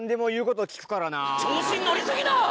調子に乗り過ぎだ！